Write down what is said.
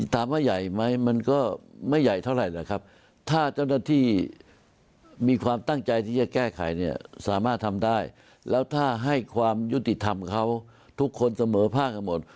ถามว่าใหญ่ไหมมันก็ไม่ใหญ่เท่าไหร่นะครับถ้าเจ้าหน้าที่มีความตั้งใจที่จะแก้ไขเนี่ยสามารถทำได้แล้วถ้าให้ความยุติธรรมเขาทุกคนเสมอภาคกันหมด